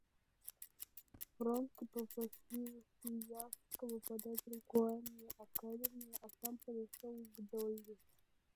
Вронский попросил Свияжского подать руку Анне Аркадьевне, а сам подошел к Долли.